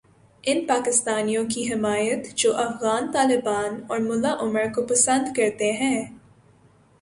ان پاکستانیوں کی حمایت جوافغان طالبان اور ملا عمر کو پسند کرتے ہیں۔